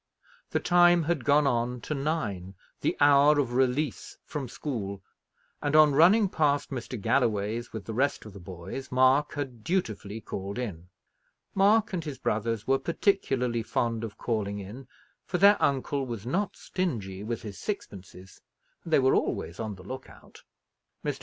The time had gone on to nine, the hour of release from school; and, on running past Mr. Galloway's with the rest of the boys, Mark had dutifully called in. Mark and his brothers were particularly fond of calling in, for their uncle was not stingy with his sixpences, and they were always on the look out. Mr.